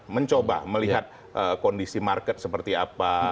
mencoba melihat kondisi market seperti apa